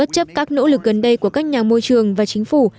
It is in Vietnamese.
chấp các nỗ lực gần đây của các nhà môi trường và chính phủ